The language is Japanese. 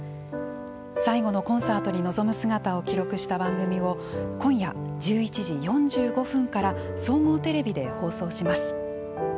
最後のコンサートに臨む姿を記録した番組を今夜１１時４５分から総合テレビで放送します。